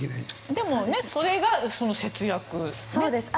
でも、それが節約ね。